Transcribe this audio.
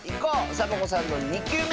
サボ子さんの２きゅうめ！